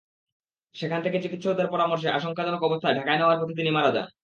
সেখান থেকে চিকিৎসকদের পরামর্শে আশঙ্কাজনক অবস্থায় ঢাকায় নেওয়ার পথে তিনি মারা যান।